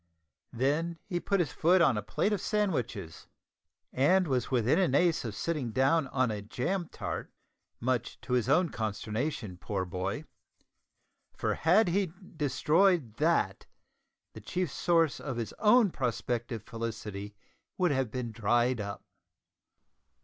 Then he put his foot on a plate of sandwiches, and was within an ace of sitting down on a jam tart, much to his own consternation, poor boy, for had he destroyed that, the chief source of his own prospective felicity would have been dried up.